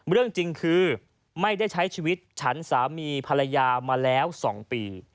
เรื่องจริงคือไม่ได้ใช้ชีวิตฉันสามีภรรยามาแล้ว๒ปี